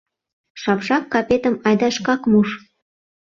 Шапшак капетым айда шкак муш.